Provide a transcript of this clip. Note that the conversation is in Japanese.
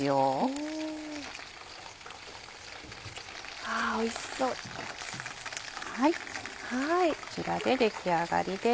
はいこちらで出来上がりです。